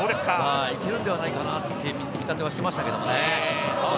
行けるんではないかなって見立てはしてましたけどね。